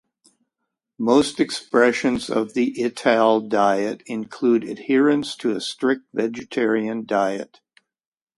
Most expressions of the Ital diet include adherence to a strict vegetarian diet.